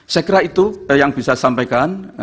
saya kira itu yang bisa disampaikan